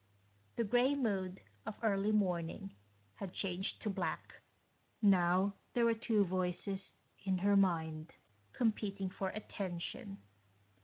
The gray mood of early morning had changed to black. Now there were two voices in her mind, competing for attention.